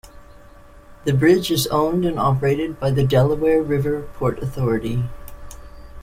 The bridge is owned and operated by the Delaware River Port Authority.